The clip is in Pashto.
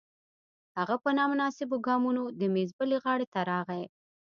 هغه په نامناسبو ګامونو د میز بلې غاړې ته راغی